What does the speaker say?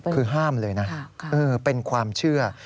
คือห้ามเลยนะเป็นความเชื่อ